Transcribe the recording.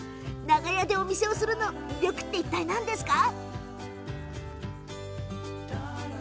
長屋でお店をする魅力って何ですか？